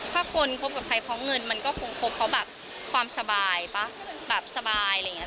ถ้าคนคบกับใครเพราะเงินมันก็คงครบเพราะแบบความสบายป่ะแบบสบายอะไรอย่างนี้